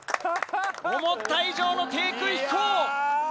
思った以上の低空飛行。